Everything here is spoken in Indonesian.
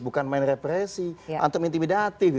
bukan main represi atau intimidatif